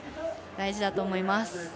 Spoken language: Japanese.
大事だと思います。